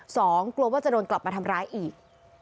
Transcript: กลัวว่าจะโดนกลับมาทำร้ายอีก